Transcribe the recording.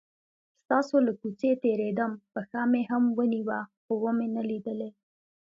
ستاسو له کوڅې تیرېدم، پښه مې هم ونیوه خو ومې نه لیدلې.